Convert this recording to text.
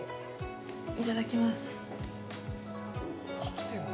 いただきます。